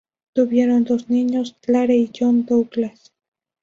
Tuvieron dos niños, Clare y John Douglas.